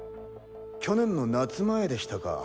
去年の夏前でしたか。